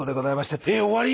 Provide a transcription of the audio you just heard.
えっ終わり？